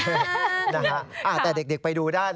ก็จะมีการพิพากษ์ก่อนก็มีเอ็กซ์สุข่อน